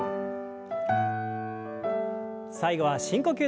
最後は深呼吸です。